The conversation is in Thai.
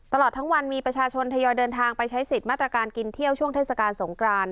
ตลอดทั้งวันมีประชาชนทยอยเดินทางไปใช้สิทธิ์มาตรการกินเที่ยวช่วงเทศกาลสงกราน